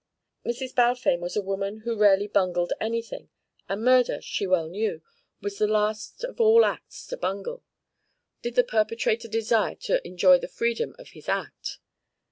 Mrs. Balfame was a woman who rarely bungled anything, and murder, she well knew, was the last of all acts to bungle, did the perpetrator desire to enjoy the freedom of his act.